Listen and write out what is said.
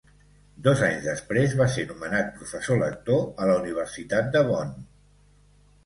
Dos anys després va ser nomenat professor lector a la Universitat de Bonn.